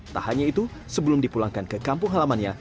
tak hanya itu sebelum dipulangkan ke kampung halamannya